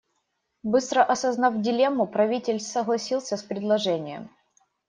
Быстро осознав дилемму, правитель согласился с предложением.